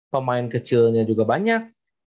pemain kecilnya juga banyak